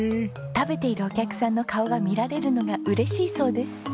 食べているお客さんの顔が見られるのが嬉しいそうです。